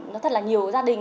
nó thật là nhiều gia đình